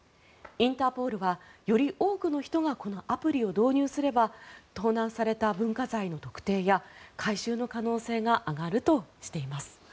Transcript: インターポールはより多くの人がこのアプリを導入すれば盗難された文化財の特定や回収の可能性が上がるとしています。